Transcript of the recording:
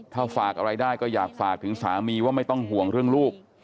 ถ้าฝากอะไรได้ก็อยากฝากถึงสามีว่าไม่ต้องห่วงเรื่องลูก